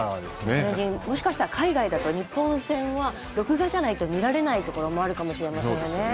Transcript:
もしかしたら海外だと日本戦は録画じゃないと見られないところもあるかもしれませんよね。